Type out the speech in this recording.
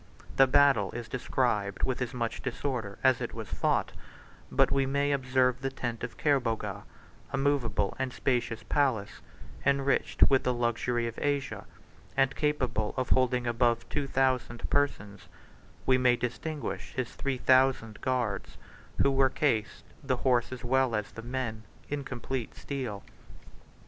The battle is described with as much disorder as it was fought; but we may observe the tent of Kerboga, a movable and spacious palace, enriched with the luxury of Asia, and capable of holding above two thousand persons; we may distinguish his three thousand guards, who were cased, the horse as well as the men, in complete steel.